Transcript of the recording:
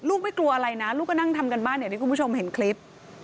ไม่กลัวอะไรนะลูกก็นั่งทำการบ้านอย่างที่คุณผู้ชมเห็นคลิป